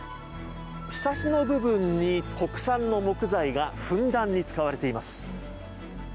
ひさしの部分に国産の木材がふんだんに使われています。